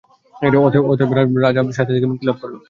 অতএব, রাজা শাস্তি থেকে মুক্তিলাভ করল।